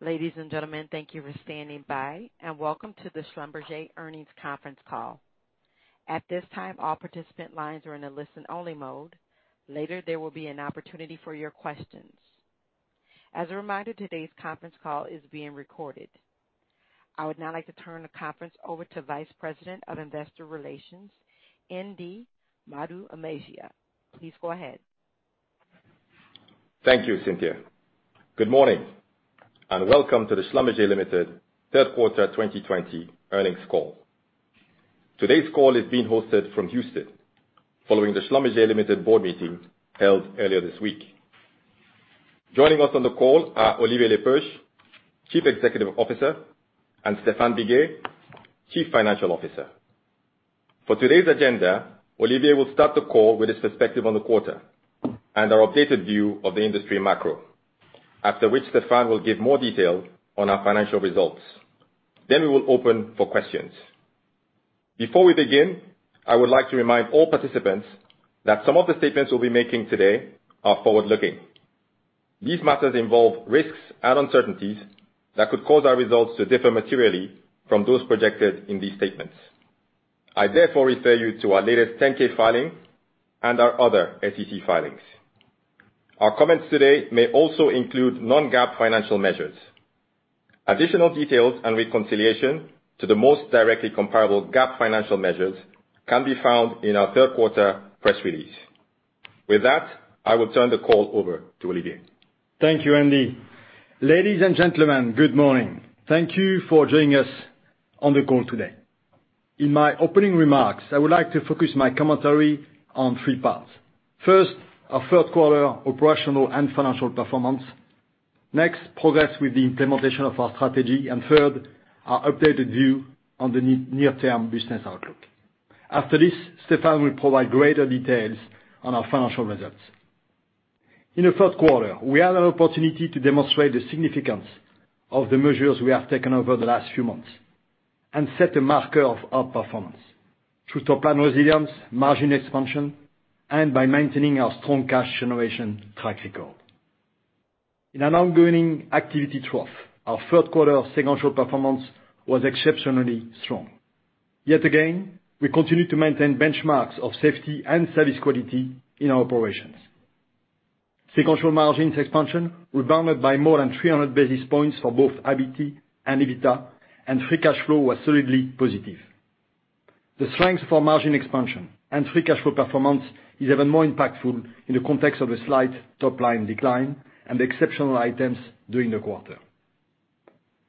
Ladies and gentlemen, thank you for standing by, and welcome to the Schlumberger Earnings Conference Call. At this time, all participant lines are in a listen-only mode. Later, there will be an opportunity for your questions. As a reminder, today's conference call is being recorded. I would now like to turn the conference over to Vice President of Investor Relations, Nd Maduemezia. Please go ahead. Thank you, Cynthia. Good morning, and welcome to the Schlumberger Limited Third Quarter 2020 earnings call. Today's call is being hosted from Houston following the Schlumberger Limited board meeting held earlier this week. Joining us on the call are Olivier Le Peuch, Chief Executive Officer, and Stéphane Biguet, Chief Financial Officer. For today's agenda, Olivier will start the call with his perspective on the quarter and our updated view of the industry macro, after which Stéphane will give more detail on our financial results. Then we will open for questions. Before we begin, I would like to remind all participants that some of the statements we'll be making today are forward-looking. These matters involve risks and uncertainties that could cause our results to differ materially from those projected in these statements. I therefore refer you to our latest 10-K filing and our other SEC filings. Our comments today may also include non-GAAP financial measures. Additional details and reconciliation to the most directly comparable GAAP financial measures can be found in our third quarter press release. With that, I will turn the call over to Olivier. Thank you, Nd. Ladies and gentlemen, good morning. Thank you for joining us on the call today. In my opening remarks, I would like to focus my commentary on three parts. First, our third quarter operational and financial performance. Next, progress with the implementation of our strategy. Third, our updated view on the near-term business outlook. After this, Stéphane will provide greater details on our financial results. In the third quarter, we had an opportunity to demonstrate the significance of the measures we have taken over the last few months and set a marker of outperformance through top-line resilience, margin expansion, and by maintaining our strong cash generation track record. In an ongoing activity trough, our third quarter sequential performance was exceptionally strong. Yet again, we continued to maintain benchmarks of safety and service quality in our operations. Sequential margins expansion rebounded by more than 300 basis points for both EBIT and EBITDA, and free cash flow was solidly positive. The strength for margin expansion and free cash flow performance is even more impactful in the context of a slight top-line decline and exceptional items during the quarter.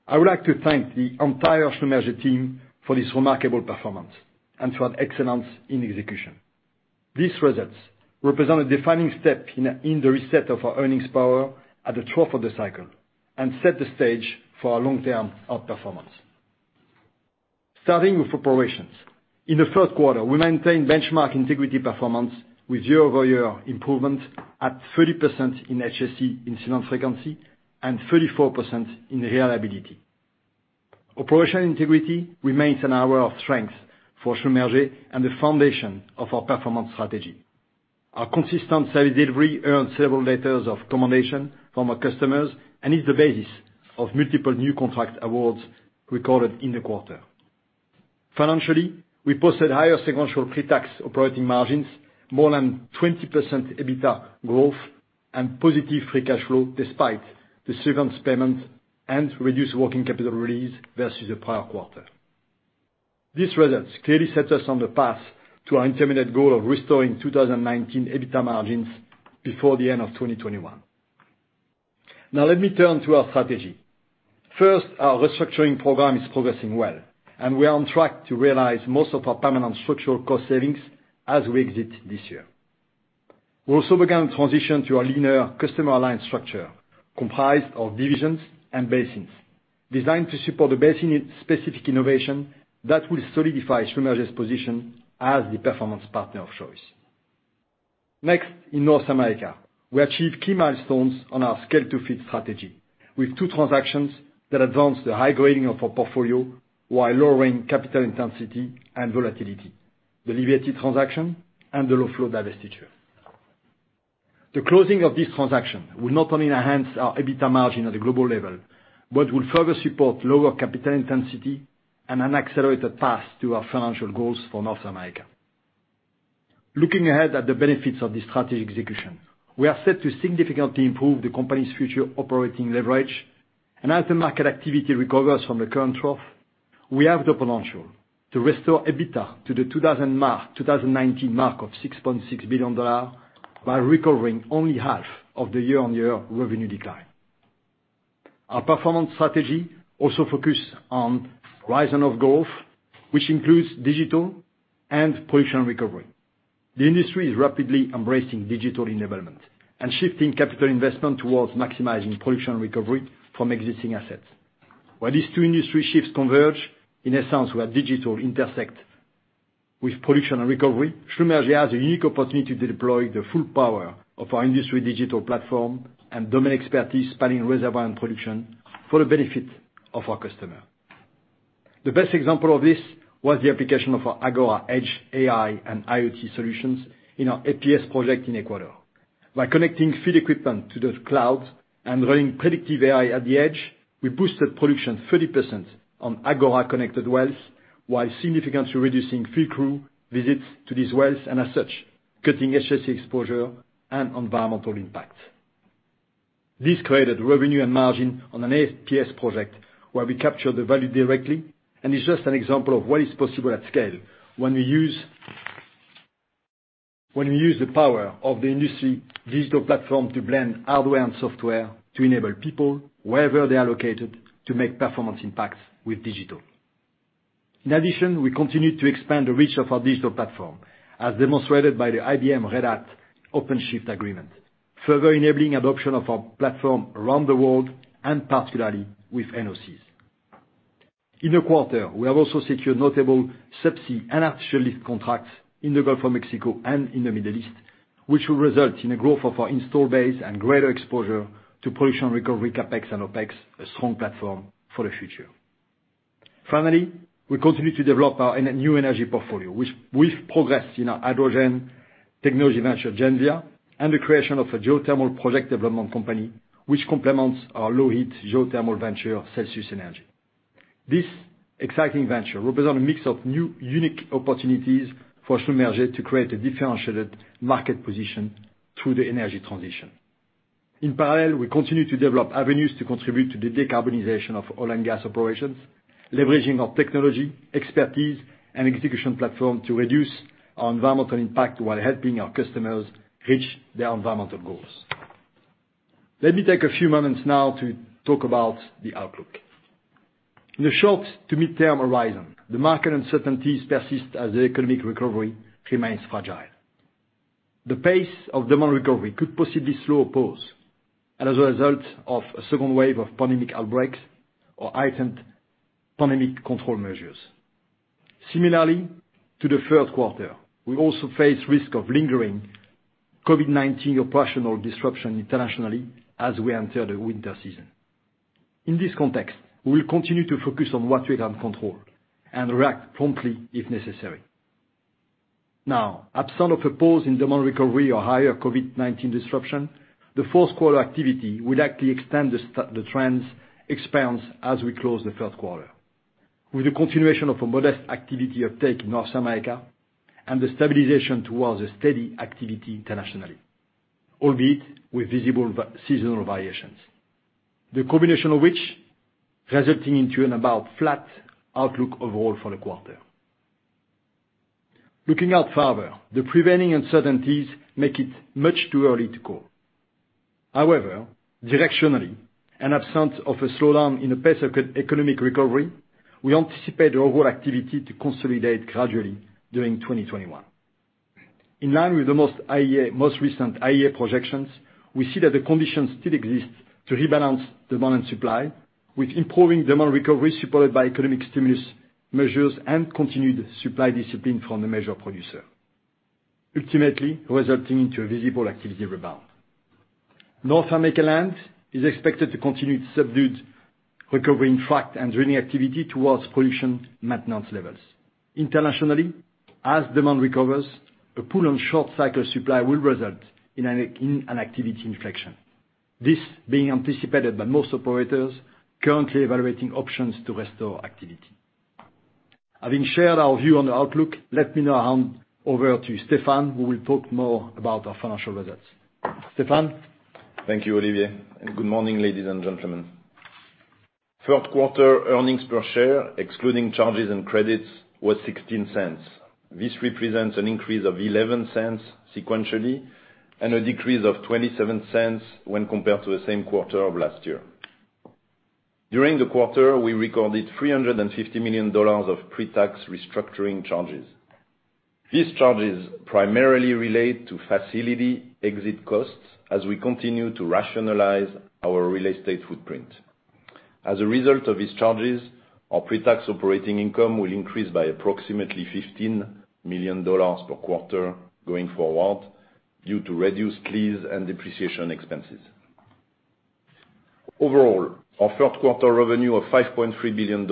I would like to thank the entire Schlumberger team for this remarkable performance and for an excellence in execution. These results represent a defining step in the reset of our earnings power at the trough of the cycle and set the stage for our long-term outperformance. Starting with operations. In the third quarter, we maintained benchmark integrity performance with year-over-year improvement at 30% in HSE incident frequency and 34% in reliability. Operational integrity remains an area of strength for Schlumberger and the foundation of our performance strategy. Our consistent service delivery earned several letters of commendation from our customers and is the basis of multiple new contract awards recorded in the quarter. Financially, we posted higher sequential pre-tax operating margins, more than 20% EBITDA growth, and positive free cash flow despite the severance payment and reduced working capital release versus the prior quarter. These results clearly set us on the path to our intermediate goal of restoring 2019 EBITDA margins before the end of 2021. Now let me turn to our strategy. First, our restructuring program is progressing well, and we are on track to realize most of our permanent structural cost savings as we exit this year. We also began transition to our leaner customer alliance structure comprised of divisions and basins designed to support the basin-specific innovation that will solidify Schlumberger's position as the performance partner of choice. Next, in North America, we achieved key milestones on our Scale to Fit strategy with two transactions that advanced the high-grading of our portfolio while lowering capital intensity and volatility, the Liberty transaction and the low-flow divestiture. The closing of this transaction will not only enhance our EBITDA margin at a global level, but will further support lower capital intensity and an accelerated path to our financial goals for North America. Looking ahead at the benefits of this strategy execution, we are set to significantly improve the company's future operating leverage, and as the market activity recovers from the current trough, we have the potential to restore EBITDA to the 2019 mark of $6.6 billion by recovering only half of the year-on-year revenue decline. Our performance strategy also focus on horizon of growth, which includes digital and production recovery. The industry is rapidly embracing digital enablement and shifting capital investment towards maximizing production recovery from existing assets. Where these two industry shifts converge, in a sense where digital intersect with production and recovery, Schlumberger has a unique opportunity to deploy the full power of our industry digital platform and domain expertise spanning reservoir and production for the benefit of our customer. The best example of this was the application of our Agora Edge AI and IoT solutions in our APS project in Ecuador. By connecting field equipment to the cloud and running predictive AI at the edge, we boosted production 30% on Agora-connected wells, while significantly reducing field crew visits to these wells, and as such, cutting HSE exposure and environmental impact. This created revenue and margin on an APS project where we capture the value directly and is just an example of what is possible at scale when we use the power of the industry digital platform to blend hardware and software to enable people, wherever they are located, to make performance impacts with digital. In addition, we continue to expand the reach of our digital platform, as demonstrated by the IBM Red Hat OpenShift agreement, further enabling adoption of our platform around the world, and particularly, with NOCs. In the quarter, we have also secured notable subsea and artificial lift contracts in the Gulf of Mexico and in the Middle East, which will result in a growth of our install base and greater exposure to production recovery CapEx and OpEx, a strong platform for the future. Finally, we continue to develop our new energy portfolio, with progress in our hydrogen technology venture, Genvia, and the creation of a geothermal project development company, which complements our low heat geothermal venture, Celsius Energy. This exciting venture represents a mix of new unique opportunities for Schlumberger to create a differentiated market position through the energy transition. In parallel, we continue to develop avenues to contribute to the decarbonization of oil and gas operations, leveraging our technology, expertise, and execution platform to reduce our environmental impact while helping our customers reach their environmental goals. Let me take a few moments now to talk about the outlook. In the short to midterm horizon, the market uncertainties persist as the economic recovery remains fragile. The pace of demand recovery could possibly slow or pause as a result of a second wave of pandemic outbreaks or heightened pandemic control measures. Similarly to the third quarter, we also face risk of lingering COVID-19 operational disruption internationally as we enter the winter season. In this context, we will continue to focus on what we can control and react promptly if necessary. Absent of a pause in demand recovery or higher COVID-19 disruption, the fourth quarter activity will likely extend the trends expense as we close the third quarter. With the continuation of a modest activity uptake in North America and the stabilization towards a steady activity internationally, albeit with visible seasonal variations. The combination of which resulting into an about flat outlook overall for the quarter. Looking out further, the prevailing uncertainties make it much too early to call. Directionally and absent of a slowdown in the pace of economic recovery, we anticipate overall activity to consolidate gradually during 2021. In line with the most recent IEA projections, we see that the conditions still exist to rebalance demand and supply, with improving demand recovery supported by economic stimulus measures and continued supply discipline from the major producer, ultimately resulting into a visible activity rebound. North America land is expected to continue to subdued recovery in frac and drilling activity towards production maintenance levels. Internationally, as demand recovers, a pull on short cycle supply will result in an activity inflection. This being anticipated by most operators currently evaluating options to restore activity. Having shared our view on the outlook, let me now hand over to Stéphane, who will talk more about our financial results. Stéphane? Thank you, Olivier, good morning, ladies and gentlemen. Third quarter earnings per share, excluding charges and credits, was $0.16. This represents an increase of $0.11 sequentially and a decrease of $0.27 when compared to the same quarter of last year. During the quarter, we recorded $350 million of pre-tax restructuring charges. These charges primarily relate to facility exit costs as we continue to rationalize our real estate footprint. As a result of these charges, our pre-tax operating income will increase by approximately $15 million per quarter going forward due to reduced lease and depreciation expenses. Overall, our third quarter revenue of $5.3 billion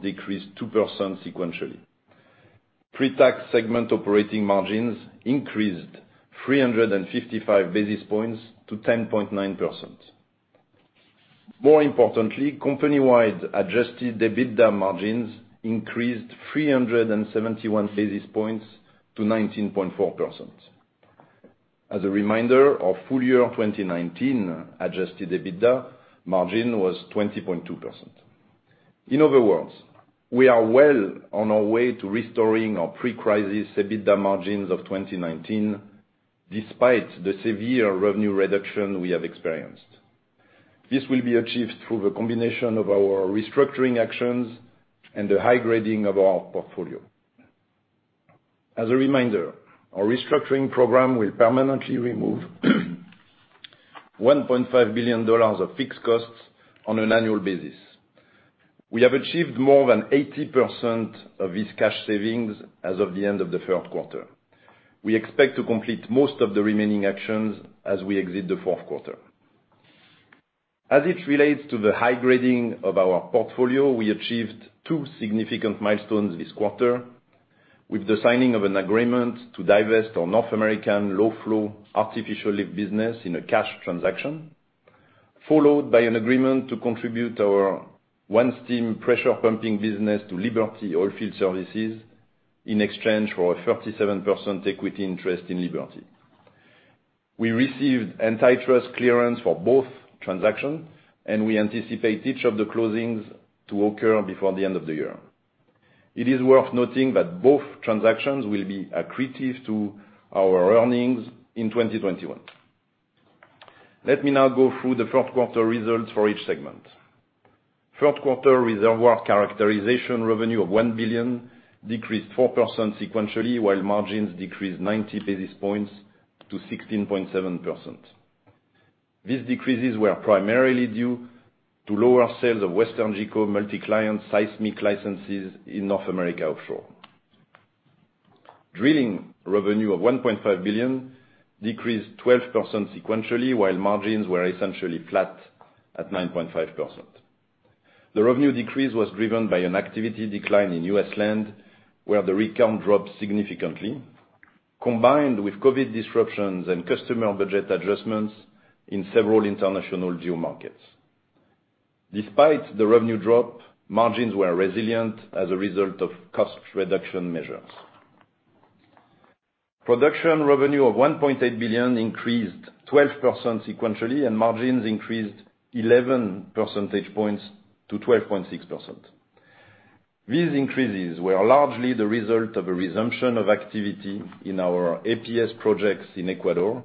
decreased 2% sequentially. Pre-tax segment operating margins increased 355 basis points to 10.9%. More importantly, company-wide adjusted EBITDA margins increased 371 basis points to 19.4%. As a reminder, our full year 2019 adjusted EBITDA margin was 20.2%. In other words, we are well on our way to restoring our pre-crisis EBITDA margins of 2019, despite the severe revenue reduction we have experienced. This will be achieved through the combination of our restructuring actions and the high grading of our portfolio. As a reminder, our restructuring program will permanently remove $1.5 billion of fixed costs on an annual basis. We have achieved more than 80% of these cash savings as of the end of the third quarter. We expect to complete most of the remaining actions as we exit the fourth quarter. As it relates to the high grading of our portfolio, we achieved two significant milestones this quarter with the signing of an agreement to divest our North American low-flow artificial lift business in a cash transaction, followed by an agreement to contribute our OneStim pressure pumping business to Liberty Oilfield Services in exchange for a 37% equity interest in Liberty. We received antitrust clearance for both transactions, and we anticipate each of the closings to occur before the end of the year. It is worth noting that both transactions will be accretive to our earnings in 2021. Let me now go through the fourth quarter results for each segment. Third quarter Reservoir Characterization revenue of $1 billion decreased 4% sequentially, while margins decreased 90 basis points to 16.7%. These decreases were primarily due to lower sales of WesternGeco multi-client seismic licenses in North America offshore. Drilling revenue of $1.5 billion decreased 12% sequentially, while margins were essentially flat at 9.5%. The revenue decrease was driven by an activity decline in U.S. land, where the rig count dropped significantly, combined with COVID disruptions and customer budget adjustments in several international geo markets. Despite the revenue drop, margins were resilient as a result of cost reduction measures. Production revenue of $1.8 billion increased 12% sequentially, and margins increased 11 percentage points to 12.6%. These increases were largely the result of a resumption of activity in our APS projects in Ecuador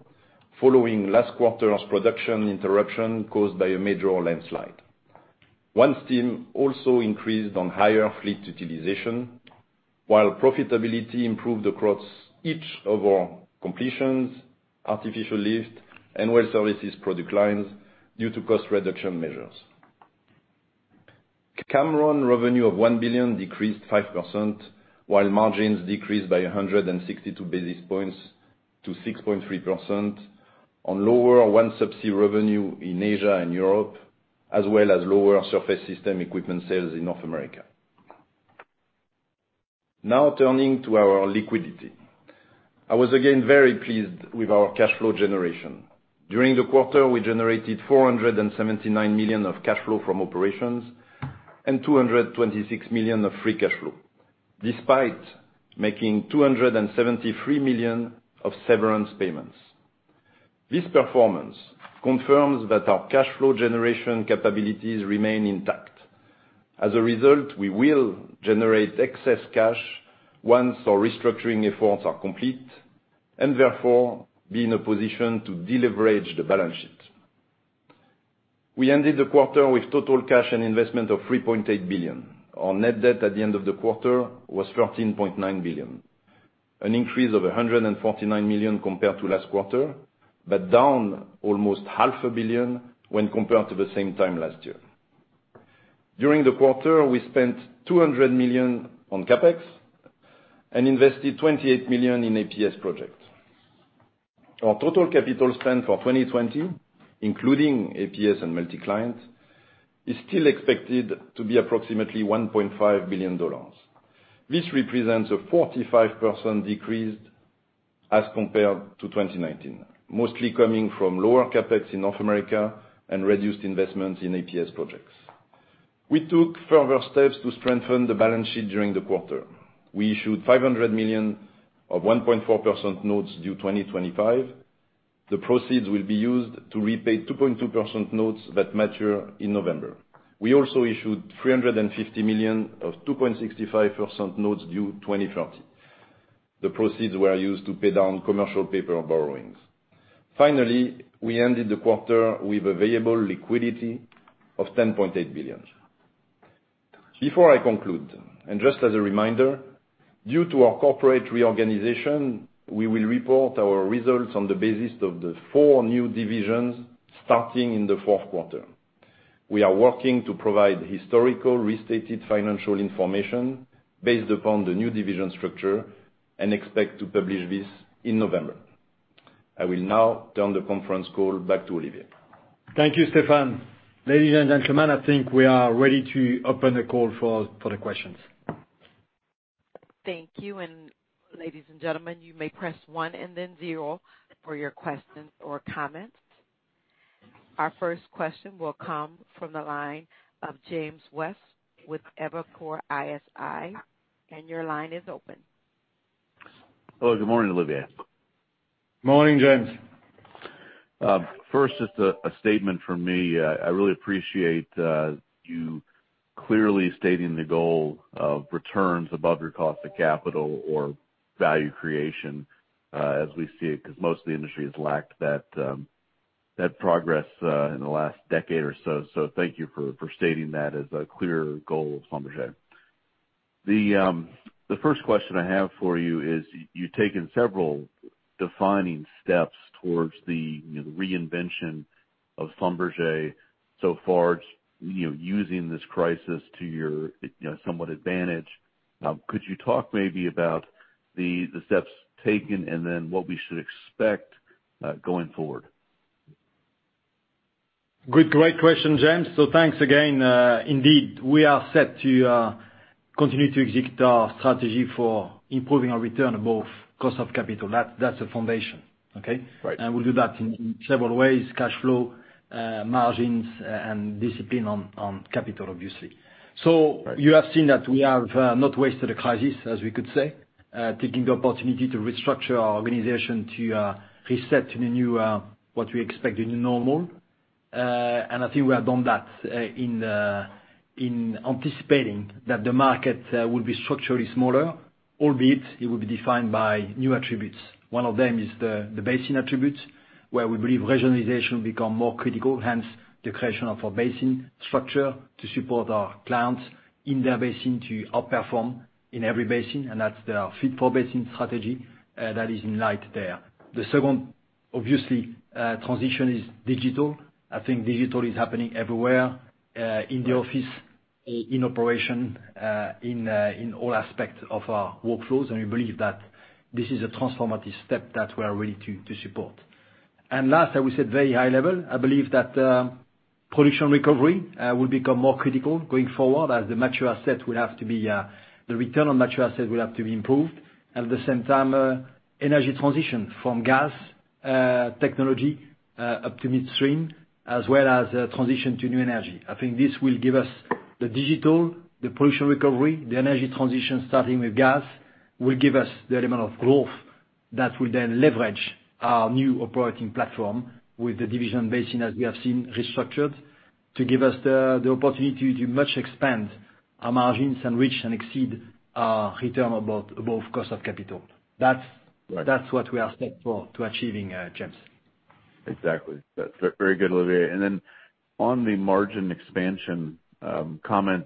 following last quarter's production interruption caused by a major landslide. OneStim also increased on higher fleet utilization, while profitability improved across each of our completions, artificial lift, and well services product lines, due to cost reduction measures. Cameron revenue of $1 billion decreased 5%, while margins decreased by 162 basis points to 6.3% on lower OneSubsea revenue in Asia and Europe, as well as lower surface system equipment sales in North America. Turning to our liquidity. I was again very pleased with our cash flow generation. During the quarter, we generated $479 million of cash flow from operations and $226 million of free cash flow, despite making $273 million of severance payments. This performance confirms that our cash flow generation capabilities remain intact. We will generate excess cash once our restructuring efforts are complete, and therefore, be in a position to deleverage the balance sheet. We ended the quarter with total cash and investment of $3.8 billion. Our net debt at the end of the quarter was $13.9 billion, an increase of $149 million compared to last quarter, but down almost half a billion when compared to the same time last year. During the quarter, we spent $200 million on CapEx and invested $28 million in APS projects. Our total capital spend for 2020, including APS and multi-client, is still expected to be approximately $1.5 billion. This represents a 45% decrease as compared to 2019, mostly coming from lower CapEx in North America and reduced investments in APS projects. We took further steps to strengthen the balance sheet during the quarter. We issued $500 million of 1.4% notes due 2025. The proceeds will be used to repay 2.2% notes that mature in November. We also issued $350 million of 2.65% notes due 2030. The proceeds were used to pay down commercial paper borrowings. We ended the quarter with available liquidity of $10.8 billion. Before I conclude, and just as a reminder, due to our corporate reorganization, we will report our results on the basis of the four new divisions, starting in the fourth quarter. We are working to provide historical restated financial information based upon the new division structure and expect to publish this in November. I will now turn the conference call back to Olivier. Thank you, Stéphane. Ladies and gentlemen, I think we are ready to open the call for the questions. Thank you. Ladies and gentlemen, you may press 1 and then 0 for your questions or comments. Our first question will come from the line of James West with Evercore ISI. Your line is open. Hello, good morning, Olivier. Morning, James. First, just a statement from me. I really appreciate you clearly stating the goal of returns above your cost of capital or value creation as we see it, because most of the industry has lacked that progress in the last decade or so. Thank you for stating that as a clear goal of Schlumberger. The first question I have for you is, you've taken several defining steps towards the reinvention of Schlumberger so far, using this crisis to your somewhat advantage. Now, could you talk maybe about the steps taken and then what we should expect going forward? Good. Great question, James. Thanks again. Indeed, we are set to continue to execute our strategy for improving our return above cost of capital. That's the foundation, okay? Right. We'll do that in several ways, cash flow, margins, and discipline on capital, obviously. Right. You have seen that we have not wasted a crisis, as we could say, taking the opportunity to restructure our organization to reset in a new, what we expect, in a new normal. I think we have done that in anticipating that the market will be structurally smaller, albeit it will be defined by new attributes. One of them is the basin attributes, where we believe regionalization become more critical, hence the creation of a basin structure to support our clients in their basin to outperform in every basin, and that's the fit-for-basin strategy, that is in light there. The second, obviously transition is digital. I think digital is happening everywhere. Right in the office, in operation, in all aspects of our workflows. We believe that this is a transformative step that we are ready to support. Last, I will say, very high level, I believe that production recovery will become more critical going forward as the return on mature assets will have to be improved. At the same time, energy transition from gas technology up to midstream, as well as transition to new energy, I think this will give us the digital, the production recovery, the energy transition starting with gas, will give us the element of growth that will then leverage our new operating platform with the division basin as we have seen restructured, to give us the opportunity to much expand our margins and reach and exceed our return above cost of capital. Right. That's what we are set for to achieving, James. Exactly. That's very good, Olivier. On the margin expansion comment,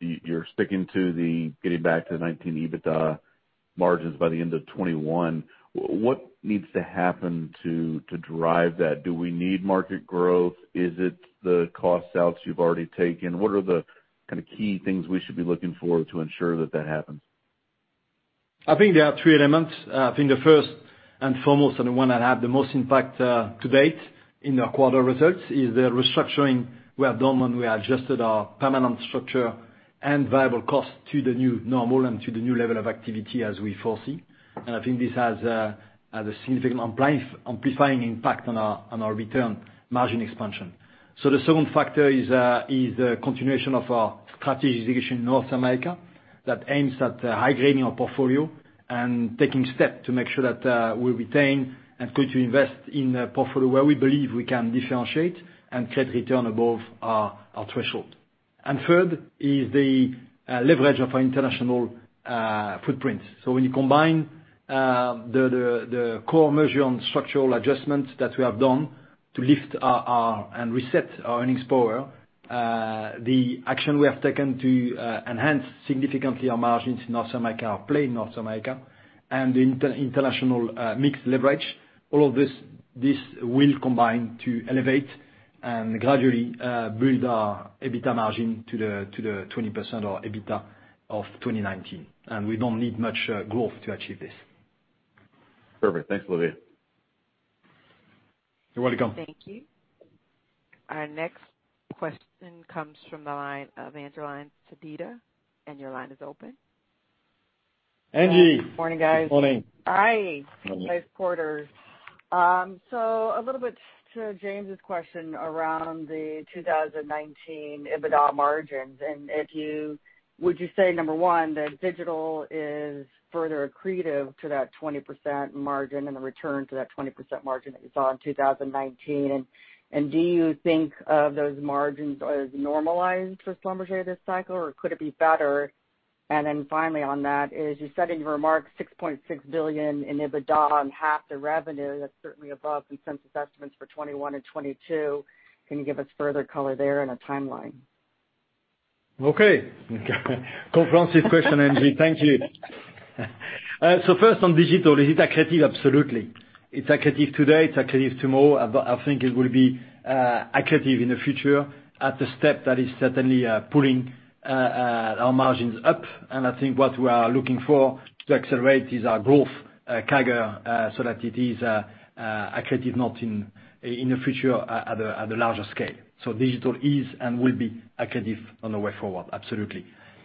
you're sticking to the getting back to the 2019 EBITDA margins by the end of 2021. What needs to happen to derive that? Do we need market growth? Is it the cost outs you've already taken? What are the kind of key things we should be looking for to ensure that that happens? I think there are three elements. I think the first and foremost, the one that had the most impact to date in our quarter results, is the restructuring we have done when we adjusted our permanent structure and variable cost to the new normal and to the new level of activity as we foresee. I think this has had a significant amplifying impact on our return margin expansion. The second factor is the continuation of our strategy execution in North America that aims at high-grading our portfolio and taking steps to make sure that we retain and continue to invest in a portfolio where we believe we can differentiate and create return above our threshold. Third is the leverage of our international footprint. When you combine the core measure on structural adjustments that we have done to lift and reset our earnings power, the action we have taken to enhance significantly our margins in North America, our play in North America, and the international mixed leverage, all of this will combine to elevate and gradually build our EBITDA margin to the 20% or EBITDA of 2019. We don't need much growth to achieve this. Perfect. Thanks, Olivier. You're welcome. Thank you. Our next question comes from the line of Angie Sedita. Your line is open. Angie. Morning, guys. Morning. Hi. Morning. Nice quarters. A little bit to James' question around the 2019 EBITDA margins. Would you say, number one, that digital is further accretive to that 20% margin and the return to that 20% margin that you saw in 2019? Do you think of those margins as normalized for Schlumberger this cycle, or could it be better? Finally on that is, you said in your remarks $6.6 billion in EBITDA on half the revenue, that's certainly above consensus estimates for 2021 and 2022. Can you give us further color there and a timeline? Okay. Comprehensive question, Angie. Thank you. First on digital, is it accretive? Absolutely. It's accretive today, it's accretive tomorrow. I think it will be accretive in the future at the step that is certainly pulling our margins up. I think what we are looking for to accelerate is our growth CAGR, so that it is accretive in the future at a larger scale. Digital is and will be accretive on the way forward, absolutely.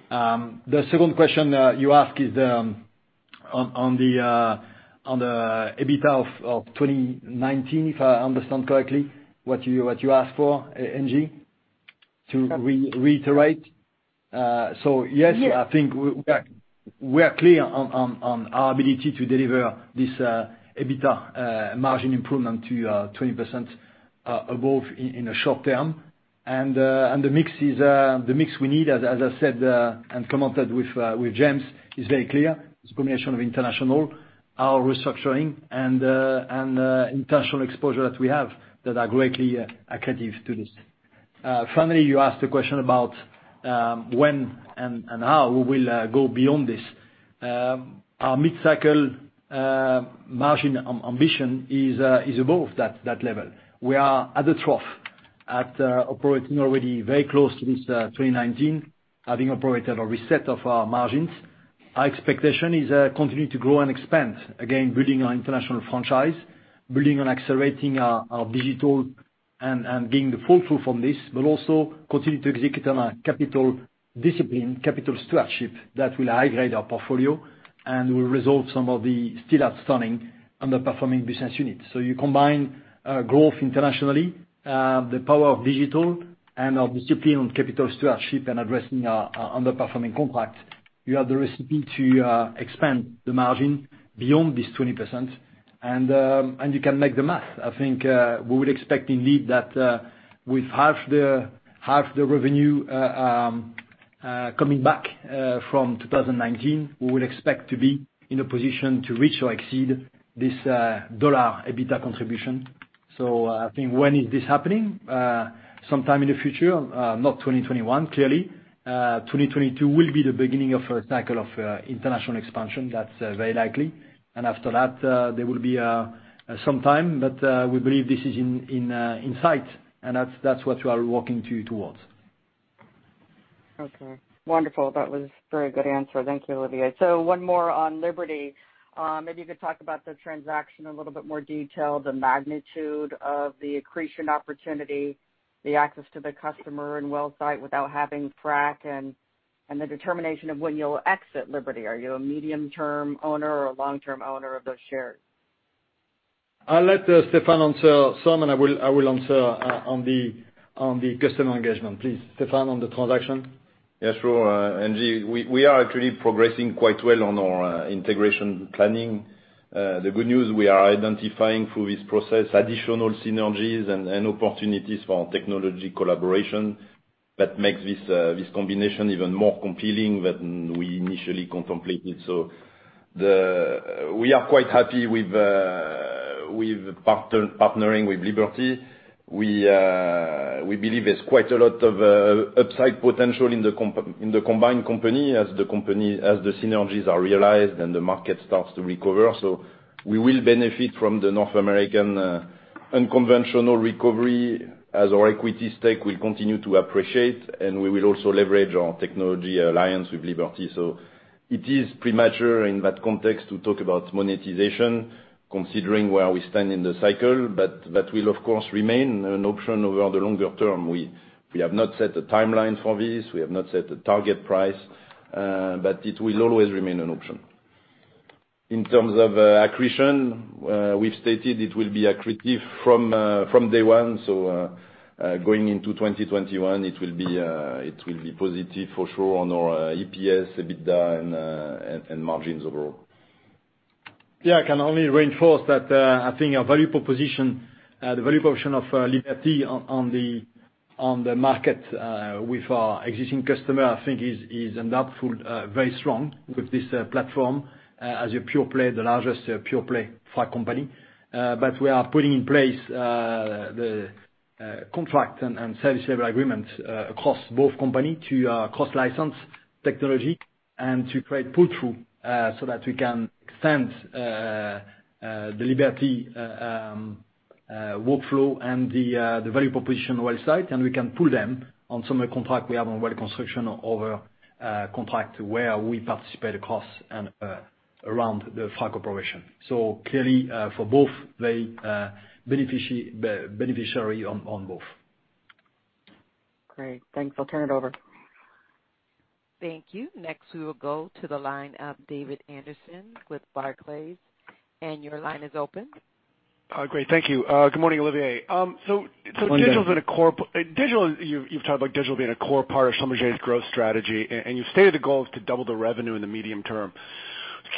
The second question you ask is on the EBITDA of 2019, if I understand correctly what you asked for, Angie, to reiterate. Yes. Yes, I think we are clear on our ability to deliver this EBITDA margin improvement to 20% above in the short term. The mix we need, as I said and commented with James, is very clear. It's a combination of international, our restructuring, and international exposure that we have that are greatly accretive to this. Finally, you asked a question about when and how we will go beyond this. Our mid-cycle margin ambition is above that level. We are at the trough at operating already very close to this 2019, having operated a reset of our margins. Our expectation is to continue to grow and expand. Again, building our international franchise, building and accelerating our Digital and giving the pull-through from this, but also continue to execute on our capital discipline, capital stewardship that will upgrade our portfolio and will resolve some of the still outstanding underperforming business units. You combine growth internationally, the power of digital, and our discipline on capital stewardship and addressing our underperforming contracts. You have the recipe to expand the margin beyond this 20%. You can make the math. I think we would expect indeed that with half the revenue coming back from 2019, we will expect to be in a position to reach or exceed this dollar EBITDA contribution. I think when is this happening? Sometime in the future, not 2021, clearly. 2022 will be the beginning of a cycle of international expansion. That's very likely. After that, there will be some time, but we believe this is in sight, and that's what we are working towards. Okay. Wonderful. That was a very good answer. Thank you, Olivier. One more on Liberty. Maybe you could talk about the transaction in a little bit more detail, the magnitude of the accretion opportunity, the access to the customer and well site without having frac, and the determination of when you'll exit Liberty. Are you a medium-term owner or a long-term owner of those shares? I'll let Stéphane answer some, and I will answer on the customer engagement. Please, Stéphane, on the transaction. Yeah, sure. Angie, we are actually progressing quite well on our integration planning. The good news, we are identifying through this process additional synergies and opportunities for technology collaboration that makes this combination even more compelling than we initially contemplated. We are quite happy with partnering with Liberty. We believe there's quite a lot of upside potential in the combined company as the synergies are realized and the market starts to recover. We will benefit from the North American unconventional recovery as our equity stake will continue to appreciate, and we will also leverage our technology alliance with Liberty. It is premature in that context to talk about monetization, considering where we stand in the cycle, but that will, of course, remain an option over the longer term. We have not set a timeline for this. We have not set a target price. It will always remain an option. In terms of accretion, we've stated it will be accretive from day one. Going into 2021, it will be positive for sure on our EPS, EBITDA, and margins overall. Yeah, I can only reinforce that I think our value proposition, the value proposition of Liberty on the market with our existing customer, I think is undoubtedly very strong with this platform as a pure play, the largest pure play frac company. We are putting in place the contract and service level agreement across both companies to cross-license technology and to create pull-through so that we can extend the Liberty workflow and the value proposition well site, and we can pull them on some of the contract we have on well construction or contract where we participate across and around the frac operation. Clearly, for both, very beneficial on both. Great. Thanks. I'll turn it over. Thank you. Next, we will go to the line of David Anderson with Barclays, and your line is open. Great. Thank you. Good morning, Olivier. Good morning, Dave. You've talked about digital being a core part of Schlumberger's growth strategy, and you've stated the goal is to double the revenue in the medium term.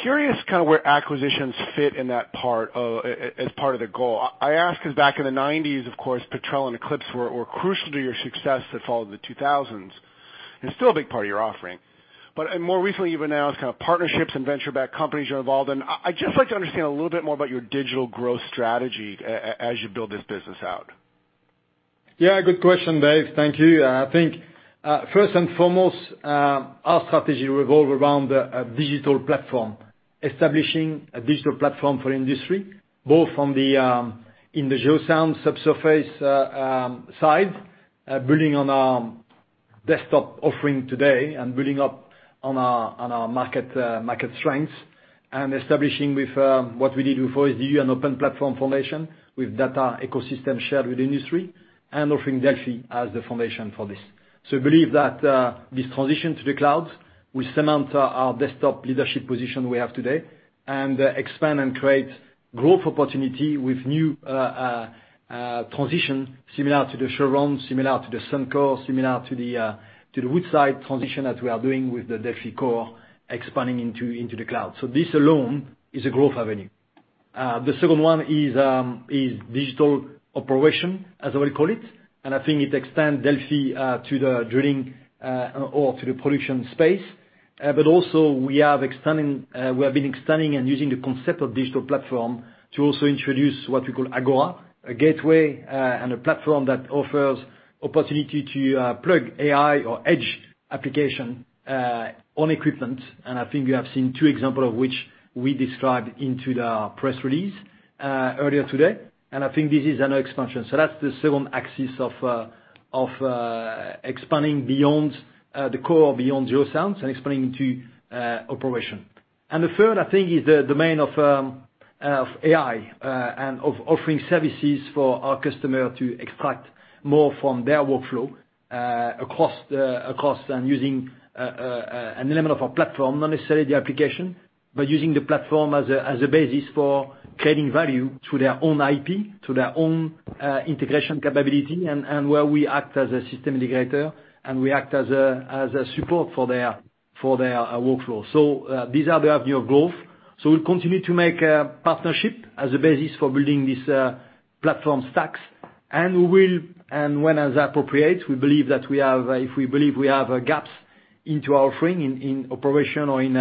Curious kind of where acquisitions fit in that part as part of the goal. I ask because back in the '90s, of course, Petrel and Eclipse were crucial to your success that followed the 2000s, and still a big part of your offering. More recently, even now, as kind of partnerships and venture-backed companies you're involved in. I'd just like to understand a little bit more about your digital growth strategy as you build this business out. Yeah, good question, Dave. Thank you. I think first and foremost, our strategy revolve around a digital platform. Establishing a digital platform for industry, both from the geoscience subsurface side, building on our desktop offering today and building up on our market strengths and establishing with what we did before with the open platform foundation, with data ecosystem shared with industry, and offering DELFI as the foundation for this. We believe that this transition to the cloud will cement our desktop leadership position we have today and expand and create growth opportunity with new transition similar to the Chevron, similar to the Suncor, similar to the Woodside transition that we are doing with the DELFI core expanding into the cloud. This alone is a growth avenue. The second one is digital operation, as I will call it. I think it extends DELFI to the drilling or to the production space. Also, we have been extending and using the concept of digital platform to also introduce what we call Agora, a gateway and a platform that offers opportunity to plug AI or edge application on equipment. I think you have seen two example of which we described into the press release earlier today. I think this is an expansion. That's the second axis of expanding beyond the core, beyond geoscience and expanding into operation. The third, I think, is the domain of AI and offering services for our customer to extract more from their workflow across and using an element of our platform, not necessarily the application. Using the platform as a basis for creating value to their own IP, to their own integration capability, and where we act as a system integrator and we act as a support for their workflow. These are the avenue of growth. We'll continue to make a partnership as a basis for building this platform stacks. We will, and when as appropriate, if we believe we have gaps into our offering in operation or in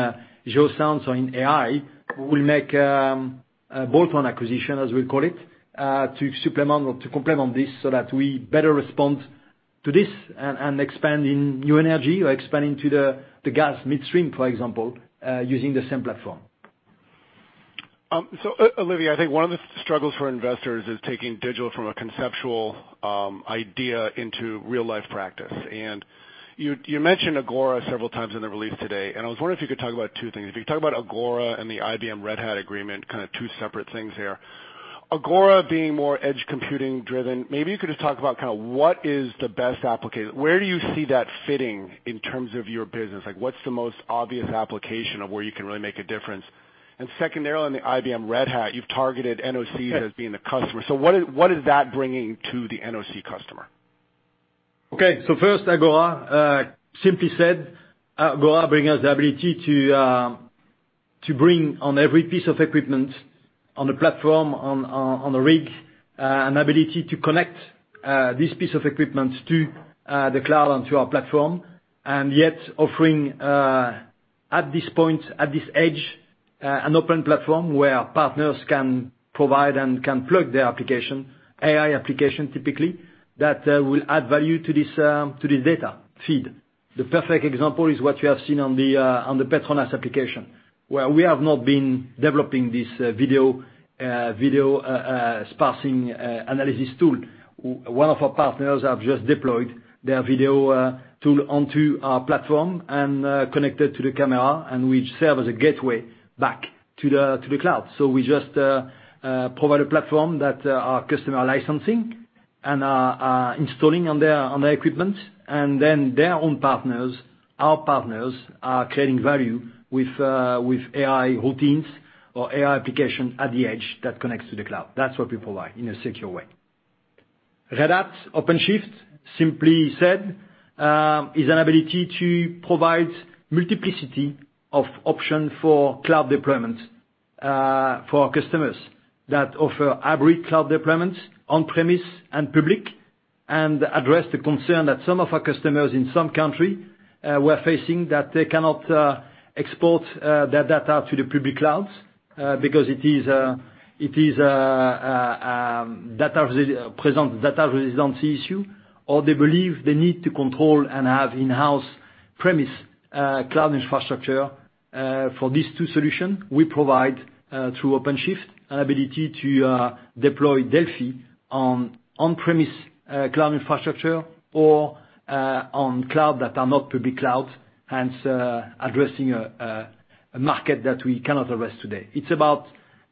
geoscience or in AI, we'll make bolt-on acquisition, as we call it, to supplement or to complement this so that we better respond to this and expand in new energy or expanding to the gas midstream, for example, using the same platform. Olivier, I think one of the struggles for investors is taking digital from a conceptual idea into real-life practice. You mentioned Agora several times in the release today, and I was wondering if you could talk about two things. If you could talk about Agora and the IBM Red Hat agreement, kind of two separate things here. Agora being more edge computing driven, maybe you could just talk about what is the best application? Where do you see that fitting in terms of your business? What's the most obvious application of where you can really make a difference? Secondarily, on the IBM Red Hat, you've targeted NOCs as being the customer. What is that bringing to the NOC customer? Okay. First, Agora. Simply said, Agora bring us the ability to bring on every piece of equipment on the platform, on the rig, an ability to connect this piece of equipment to the cloud and to our platform. Yet offering at this point, at this edge, an open platform where partners can provide and can plug their application, AI application, typically, that will add value to this data feed. The perfect example is what you have seen on the PETRONAS application, where we have not been developing this video parsing analysis tool. One of our partners have just deployed their video tool onto our platform and connected to the camera, and we serve as a gateway back to the cloud. We just provide a platform that our customer licensing and are installing on their equipment, and then their own partners, our partners, are creating value with AI routines or AI application at the edge that connects to the cloud. That's what we provide in a secure way. Red Hat OpenShift, simply said, is an ability to provide multiplicity of option for cloud deployment for our customers that offer hybrid cloud deployments on-premise and public, and address the concern that some of our customers in some country were facing that they cannot export their data to the public clouds because it is a data residency issue, or they believe they need to control and have in-house premise cloud infrastructure. For these two solution, we provide, through OpenShift, an ability to deploy DELFI on on-premise cloud infrastructure or on cloud that are not public cloud, hence addressing a market that we cannot address today. It's about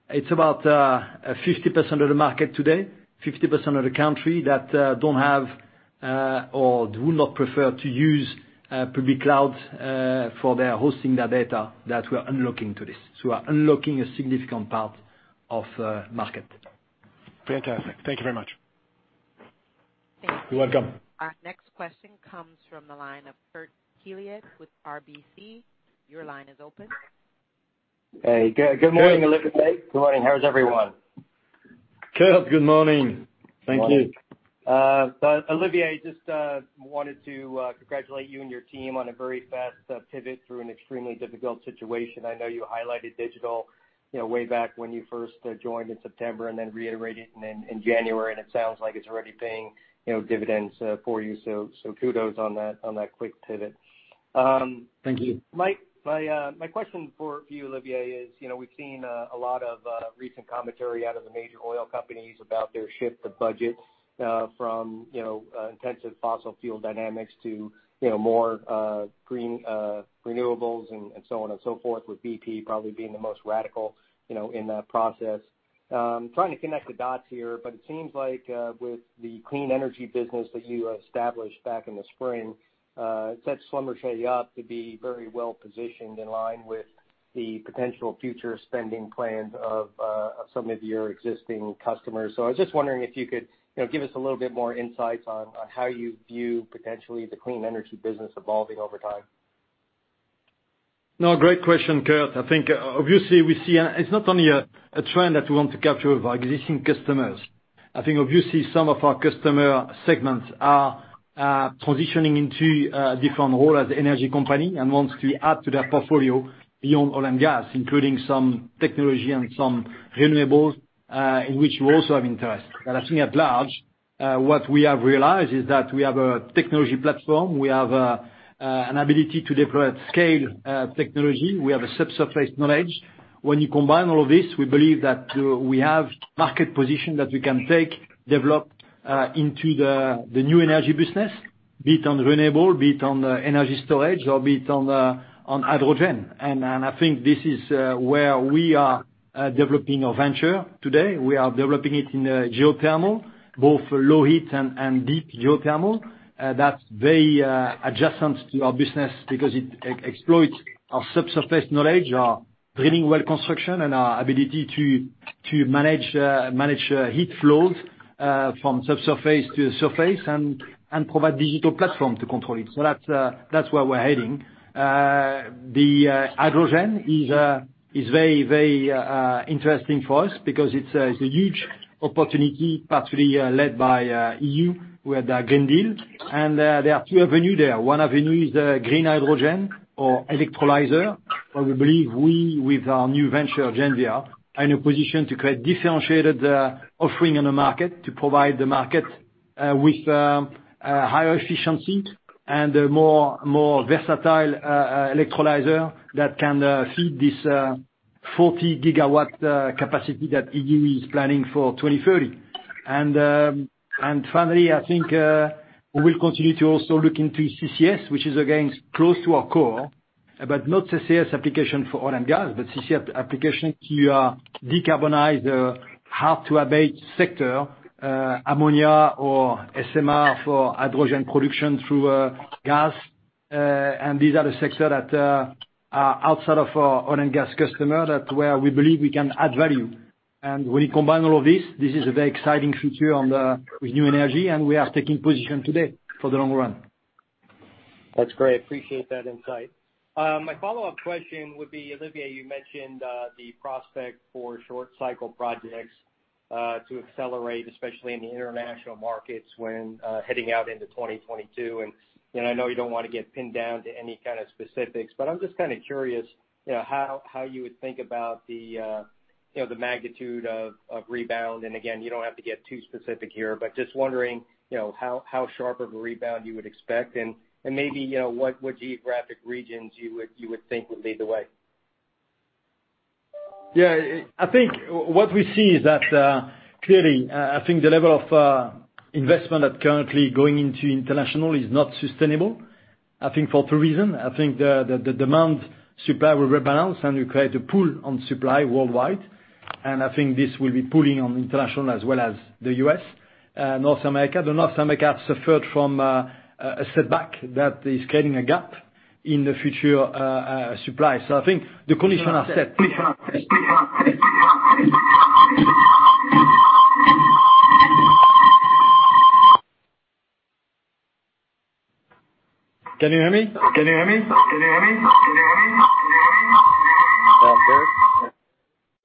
50% of the market today, 50% of the country that don't have or do not prefer to use public cloud for their hosting their data that we are unlocking to this. We are unlocking a significant part of market. Fantastic. Thank you very much. You're welcome. Our next question comes from the line of Kurt Hallead with RBC. Your line is open. Hey, good morning, Olivier. Good morning. How is everyone? Kurt, good morning. Thank you. Olivier, I just wanted to congratulate you and your team on a very fast pivot through an extremely difficult situation. I know you highlighted digital way back when you first joined in September and then reiterated in January, and it sounds like it is already paying dividends for you. Kudos on that quick pivot. Thank you. My question for you, Olivier, is we've seen a lot of recent commentary out of the major oil companies about their shift of budget from intensive fossil fuel dynamics to more green renewables and so on and so forth, with BP probably being the most radical in that process. I'm trying to connect the dots here, but it seems like with the clean energy business that you established back in the spring, it sets Schlumberger up to be very well-positioned in line with the potential future spending plans of some of your existing customers. I was just wondering if you could give us a little bit more insight on how you view potentially the clean energy business evolving over time. No, great question, Kurt. I think obviously we see it's not only a trend that we want to capture with our existing customers. I think obviously some of our customer segments are transitioning into a different role as energy company and wants to add to their portfolio beyond oil and gas, including some technology and some renewables, in which we also have interest. I think at large, what we have realized is that we have a technology platform. We have an ability to deploy at scale technology. We have a subsurface knowledge. When you combine all of this, we believe that we have market position that we can take, develop into the new energy business, be it on renewable, be it on energy storage, or be it on hydrogen. I think this is where we are developing a venture today. We are developing it in geothermal, both low heat and deep geothermal. That's very adjacent to our business because it exploits our subsurface knowledge, our drilling well construction, and our ability to manage heat flows from subsurface to surface and provide digital platform to control it. That's where we're heading. The hydrogen is very interesting for us because it's a huge opportunity, partly led by EU with their Green Deal. There are two avenues there. One avenue is green hydrogen or electrolyzer, where we believe we, with our new venture, Genvia, are in a position to create differentiated offering in the market, to provide the market with higher efficiency and a more versatile electrolyzer that can feed this 40 GW capacity that EU is planning for 2030. Finally, I think we will continue to also look into CCS, which is again, close to our core. Not CCS application for oil and gas, but CCS application to decarbonize the hard-to-abate sector, ammonia or SMR for hydrogen production through gas. These are the sector that are outside of our oil and gas customer, that where we believe we can add value. When you combine all of this is a very exciting future with new energy, and we are taking position today for the long run. That's great. Appreciate that insight. My follow-up question would be, Olivier, you mentioned the prospect for short cycle projects to accelerate, especially in the international markets when heading out into 2022. I know you don't want to get pinned down to any kind of specifics, but I'm just kind of curious how you would think about the magnitude of rebound. Again, you don't have to get too specific here, but just wondering how sharp of a rebound you would expect and maybe what geographic regions you would think would lead the way. Yeah. I think what we see is that clearly, I think the level of investment that currently going into international is not sustainable, I think for two reason. I think the demand supply will rebalance, and we create a pull on supply worldwide. I think this will be pulling on international as well as the U.S., North America. North America suffered from a setback that is creating a gap in the future supply. I think the condition are set. Can you hear me?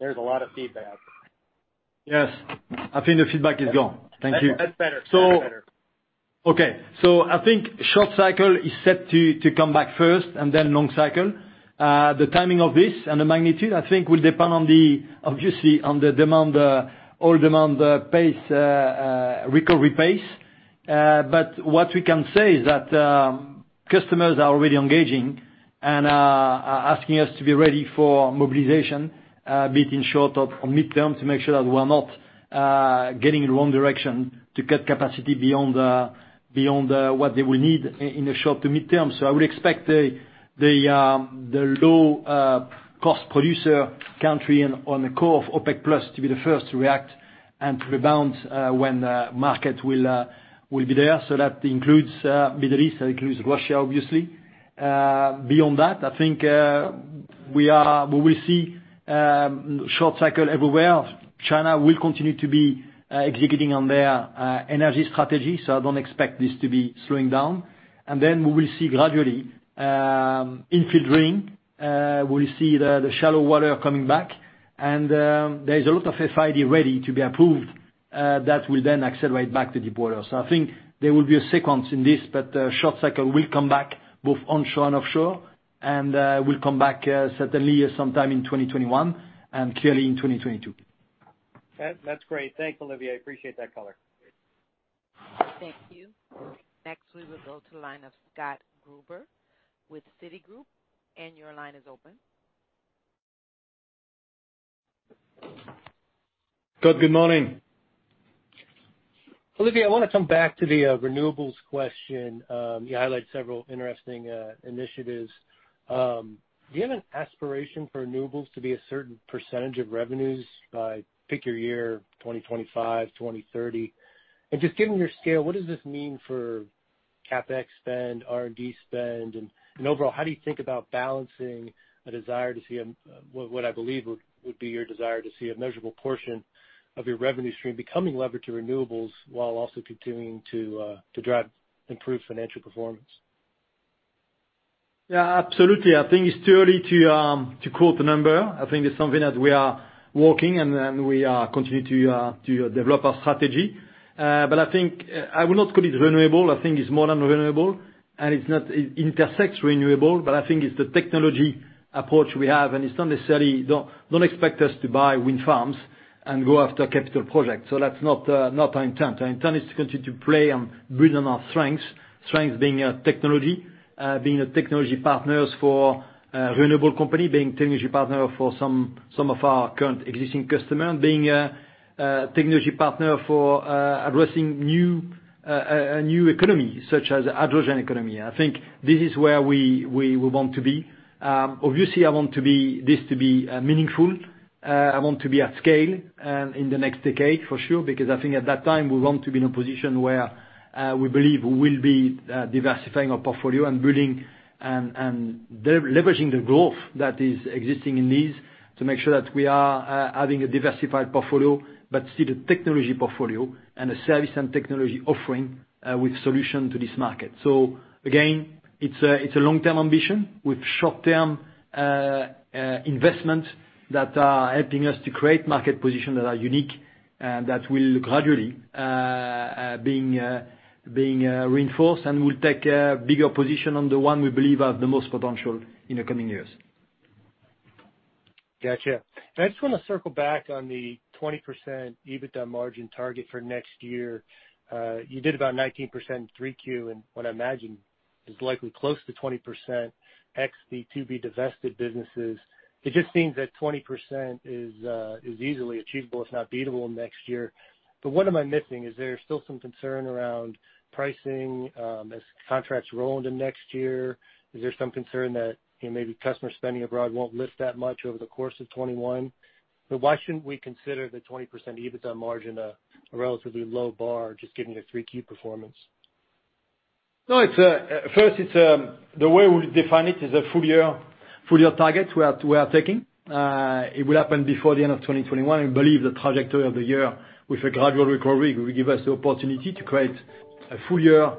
There's a lot of feedback. Yes. I think the feedback is gone. Thank you. That's better. Okay. I think short cycle is set to come back first and then long cycle. The timing of this and the magnitude, I think, will depend, obviously, on the oil demand recovery pace. What we can say is that customers are already engaging and are asking us to be ready for mobilization, be it in short or midterm, to make sure that we're not getting in the wrong direction to cut capacity beyond what they will need in the short to midterm. I would expect the low cost producer country and on the core of OPEC Plus to be the first to react and to rebound when market will be there. That includes Middle East, that includes Russia, obviously. Beyond that, I think we will see short cycle everywhere. China will continue to be executing on their energy strategy, so I don't expect this to be slowing down. We will see gradually, we'll see the shallow water coming back. There is a lot of FID ready to be approved that will then accelerate back to deep water. I think there will be a sequence in this, but short cycle will come back both onshore and offshore and will come back certainly sometime in 2021 and clearly in 2022. That's great. Thanks, Olivier. I appreciate that color. Thank you. Next, we will go to the line of Scott Gruber with Citigroup. Your line is open. Scott, good morning. Olivier, I want to come back to the renewables question. You highlight several interesting initiatives. Do you have an aspiration for renewables to be a certain percentage of revenues by, pick your year, 2025, 2030? Just given your scale, what does this mean for CapEx spend, R&D spend, and overall, how do you think about balancing a desire to see, what I believe would be your desire to see a measurable portion of your revenue stream becoming levered to renewables while also continuing to drive improved financial performance? Yeah, absolutely. I think it's too early to quote the number. I think it's something that we are working and we are continuing to develop our strategy. I think I will not call it renewable. I think it's more than renewable, and it intersects renewable, but I think it's the technology approach we have. Don't expect us to buy wind farms. Go after capital projects. That's not our intent. Our intent is to continue to play and build on our strengths. Strengths being technology, being a technology partner for renewable company, being technology partner for some of our current existing customer, and being a technology partner for addressing a new economy, such as hydrogen economy. I think this is where we want to be. Obviously, I want this to be meaningful. I want to be at scale in the next decade for sure, because I think at that time, we want to be in a position where we believe we will be diversifying our portfolio and building and leveraging the growth that is existing in these to make sure that we are adding a diversified portfolio, but still the technology portfolio and a service and technology offering with solution to this market. Again, it's a long-term ambition with short-term investments that are helping us to create market position that are unique and that will gradually being reinforced and will take a bigger position on the one we believe have the most potential in the coming years. Got you. I just want to circle back on the 20% EBITDA margin target for next year. You did about 19% in Q3, and what I imagine is likely close to 20% ex the to-be-divested businesses. It just seems that 20% is easily achievable, if not beatable, next year. What am I missing? Is there still some concern around pricing as contracts roll into next year? Is there some concern that maybe customer spending abroad won't lift that much over the course of 2021? Why shouldn't we consider the 20% EBITDA margin a relatively low bar, just given your Q3 performance? No. First, the way we define it is a full year target we are taking. It will happen before the end of 2021. I believe the trajectory of the year with a gradual recovery will give us the opportunity to create a full year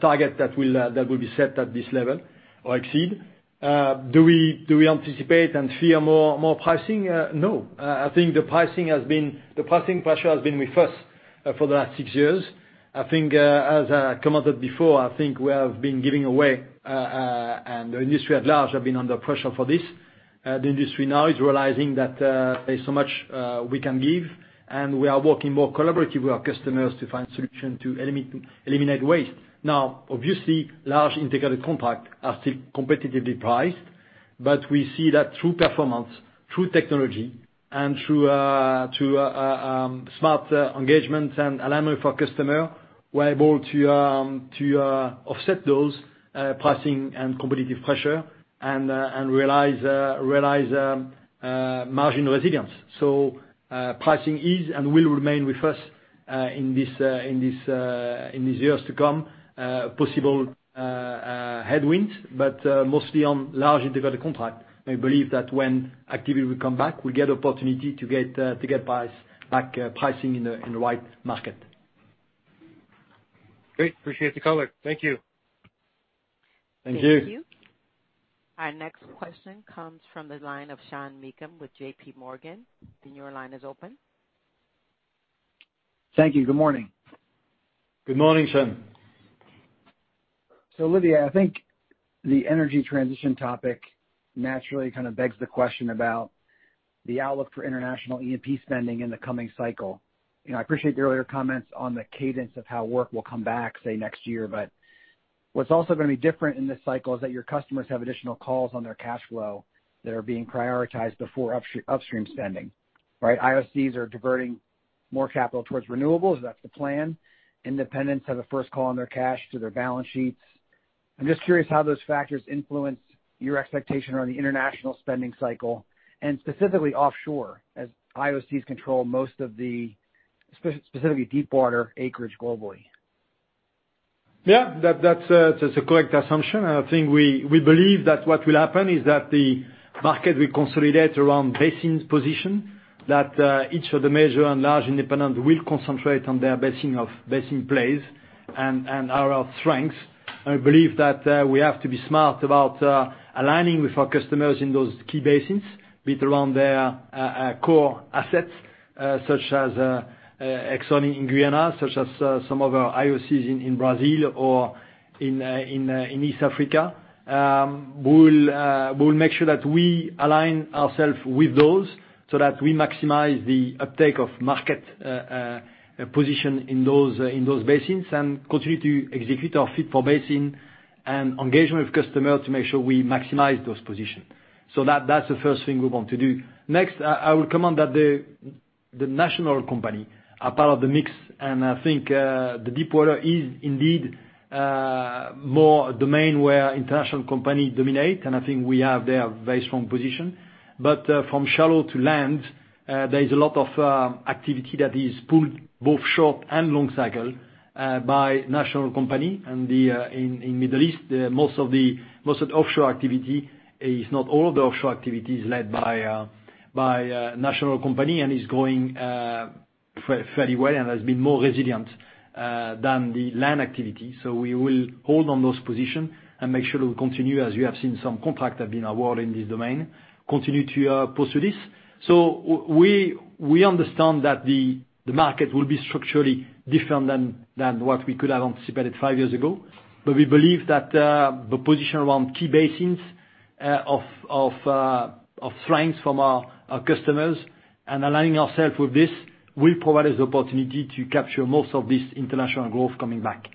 target that will be set at this level or exceed. Do we anticipate and fear more pricing? No. I think the pricing pressure has been with us for the last six years. As I commented before, I think we have been giving away, and the industry at large have been under pressure for this. The industry now is realizing that there is so much we can give, and we are working more collaborative with our customers to find solution to eliminate waste. Now, obviously, large integrated contracts are still competitively priced, but we see that through performance, through technology and through smart engagement and alignment for customers, we're able to offset those pricing and competitive pressure and realize margin resilience. Pricing is and will remain with us in these years to come. Possible headwinds, mostly on large integrated contracts. I believe that when activity will come back, we'll get opportunity to get back pricing in the right market. Great. Appreciate the color. Thank you. Thank you. Thank you. Our next question comes from the line of Sean Meakim with JPMorgan. Your line is open. Thank you. Good morning. Good morning, Sean. Olivier, I think the energy transition topic naturally kind of begs the question about the outlook for international E&P spending in the coming cycle. I appreciate the earlier comments on the cadence of how work will come back, say, next year, what's also going to be different in this cycle is that your customers have additional calls on their cash flow that are being prioritized before upstream spending right. IOCs are diverting more capital towards renewables. That's the plan. Independents have a first call on their cash to their balance sheets. I'm just curious how those factors influence your expectation around the international spending cycle and specifically offshore, as IOCs control most of the, specifically deepwater acreage globally. Yeah, that's a correct assumption. I think we believe that what will happen is that the market will consolidate around basin's position. That each of the major and large independent will concentrate on their basin plays and are our strengths. I believe that we have to be smart about aligning with our customers in those key basins, be it around their core assets, such as Exxon in Guyana, such as some of our IOCs in Brazil or in East Africa. We will make sure that we align ourself with those so that we maximize the uptake of market position in those basins and continue to execute our fit-for-basin and engagement with customer to make sure we maximize those positions. That's the first thing we want to do. Next, I will comment that the national company are part of the mix, and I think the deepwater is indeed more a domain where international company dominate, and I think we have there very strong position. From shallow to land, there is a lot of activity that is pulled both short and long cycle by national company. In Middle East, most of the offshore activity, if not all of the offshore activity, is led by national company and is going fairly well and has been more resilient than the land activity. We will hold on those position and make sure we continue, as you have seen, some contract have been awarded in this domain, continue to pursue this. We understand that the market will be structurally different than what we could have anticipated five years ago. We believe that the position around key basins of strengths from our customers and aligning ourself with this will provide us the opportunity to capture most of this international growth coming back.